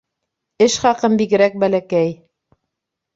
Эш хаҡым бигерәк бәләкәй.